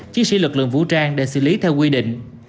chiến sĩ lực lượng vũ trang để xử lý theo quy định